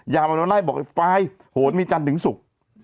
ยามำลังให้บอกไอ้ป้ายโหมีจันถึงสุข